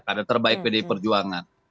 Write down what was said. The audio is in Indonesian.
kader terbaik pdi perjuangan